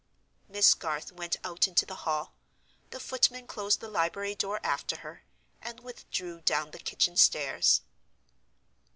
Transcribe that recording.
Miss Garth went out into the hall. The footman closed the library door after her, and withdrew down the kitchen stairs.